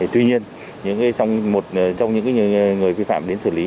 tuy nhiên một trong những người vi phạm đến xử lý